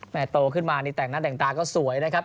โตขึ้นมานี่แต่งหน้าแต่งตาก็สวยนะครับ